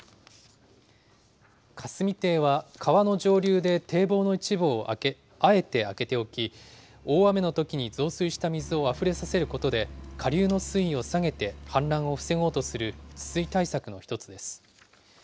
霞堤は、川の上流で堤防の一部をあえて開けておき、大雨のときに増水した水をあふれさせることで、下流の水位を下げて、氾濫を防ごうとする治水対策の一つです。